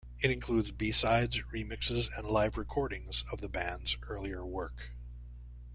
It includes b-sides, remixes, and live recordings of the band's earlier work.